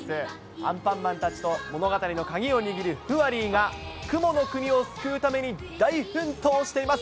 アンパンマンたちと物語の鍵を握るフワリーが雲の国を救うために大奮闘しています。